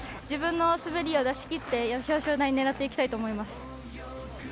自分の滑りを出し切って、表彰台を狙っていきたいと思います。